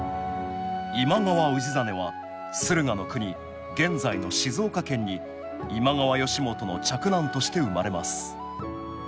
今川氏真は駿河国現在の静岡県に今川義元の嫡男として生まれます